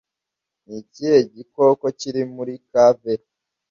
Nikihe gikoko kiri muri kave